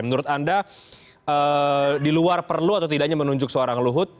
menurut anda di luar perlu atau tidaknya menunjuk seorang luhut